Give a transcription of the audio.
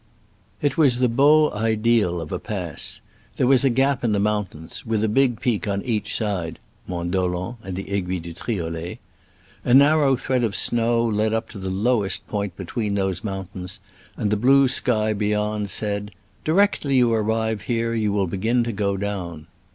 It was the beau ideal of a pass. There was a gap in the mountains, with a big peak on each side (Mont Dolent and the Aiguille de Triolet). A narrow thread of snow led up to the lowest point be tween those mountains, and the blue sky beyond said. Directly you arrive here you will begin to go down.